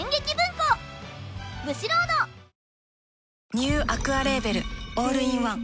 ニューアクアレーベルオールインワン